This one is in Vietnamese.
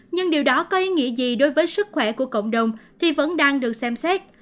nhưng điều đó có ý nghĩa gì đối với sức khỏe của cộng đồng thì vẫn đang được xem xét